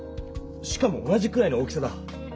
しかも同じくらいの大きさだ。